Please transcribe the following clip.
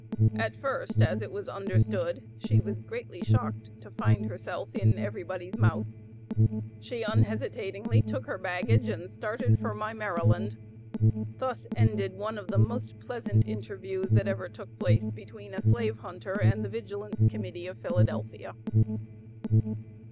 At first, as it was understood, she was greatly shocked to find herself in everybody's mouth. She unhesitatingly took her baggage and started for "My Maryland." Thus ended one of the most pleasant interviews that ever took place between a slave hunter and the Vigilance Committee of Philadelphia.